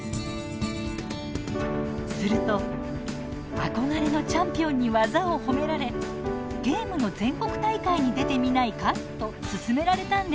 すると憧れのチャンピオンに技を褒められ「ゲームの全国大会に出てみないか」と勧められたんです。